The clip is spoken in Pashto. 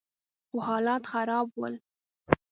خو حالات خراب ول.